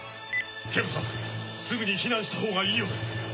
警部さんすぐに避難したほうがいいようです。